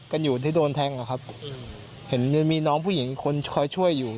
กันอยู่ที่โดนแทงอ่ะครับเห็นมีน้องผู้หญิงคนคอยช่วยอยู่